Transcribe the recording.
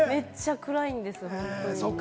めっちゃ暗いんです。